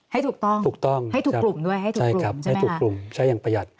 ให้ถูกต้องให้ถูกกลุ่มด้วยใช่ไหมครับใช่ครับให้ถูกกลุ่มใช้อย่างประหยัด